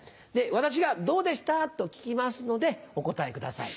私が「どうでした？」と聞きますのでお答えください。